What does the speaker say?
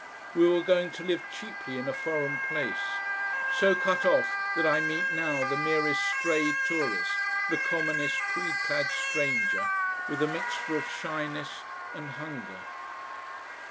We were going to live cheaply in a foreign place, so cut off that I meet now the merest stray tourist, the commonest tweed clad stranger with a mixture of shyness and hunger....